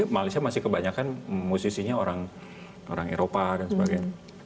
malaysia masih kebanyakan musisinya orang eropa dan sebagainya